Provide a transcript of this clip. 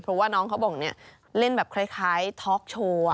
เพราะว่าน้องเขาบอกเนี่ยเล่นแบบคล้ายท็อกโชว์